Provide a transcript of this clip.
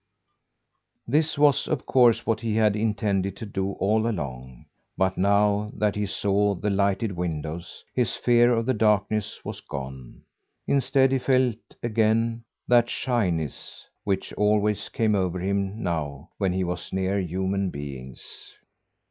This was, of course, what he had intended to do all along, but now that he saw the lighted windows, his fear of the darkness was gone. Instead, he felt again that shyness which always came over him now when he was near human beings.